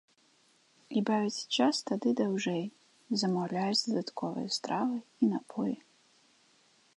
І бавяць час тады даўжэй, замаўляюць дадатковыя стравы і напоі.